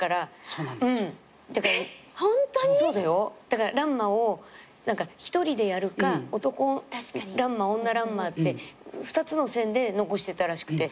だから乱馬を１人でやるか男乱馬女らんまって２つの線で残してたらしくて。